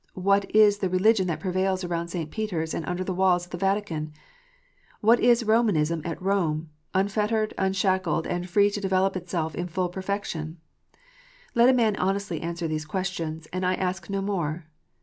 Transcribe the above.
What is the religion that prevails around St. Peter s and under the walls of the Vatican 1 ? What is Eomanism at Rome, unfettered, unshackled, and free to develope itself in full per fection 1 Let a man honestly answer these questions, and I ask no more.